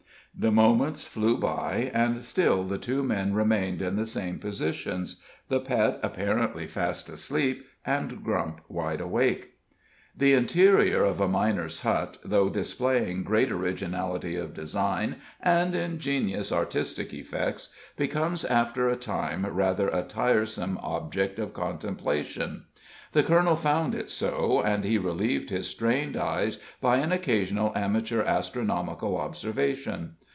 The moments flew by, and still the two men remained in the same positions, the Pet apparently fast asleep, and Grump wide awake. The interior of a miner's hut, though displaying great originality of design, and ingenious artistic effects, becomes after a time rather a tiresome object of contemplation. The colonel found it so, and he relieved his strained eyes by an occasional amateur astronomical observation.